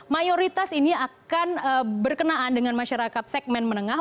mayoritas ini akan berkenaan dengan masyarakat segmen menengah